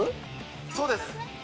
そうです。